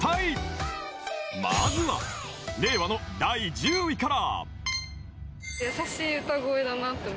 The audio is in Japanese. ［まずは令和の第１０位から］